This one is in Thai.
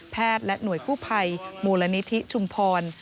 และหน่วยกู้ภัยมูลนิธิชุมพร